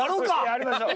やりましょう！